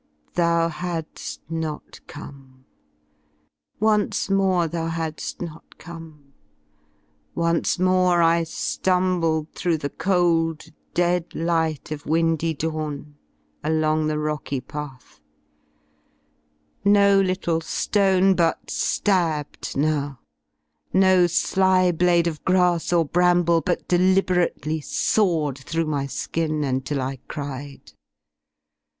Thou had*^ not come: once more thou had^Si not come; Once more I Humbled through the cold dead light Of windy dawn, along the rocky path; No little Hone but Ifabbed now, no sly blade Of grass or bramble but deliberately Sawed through my skin until I cried.